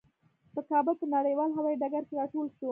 په کابل په نړیوال هوايي ډګر کې راټول شوو.